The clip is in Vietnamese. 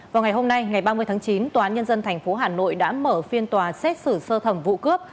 vào ngày hôm nay ngày ba mươi tháng chín tòa án nhân dân tp hà nội đã mở phiên tòa xét xử sơ thẩm vụ cướp